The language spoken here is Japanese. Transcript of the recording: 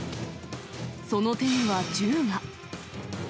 その手には銃が。